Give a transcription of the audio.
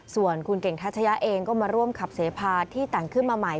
ส่วนคุณเก่งทัชยะเองก็มาร่วมขับเสพาที่แต่งขึ้นมาใหม่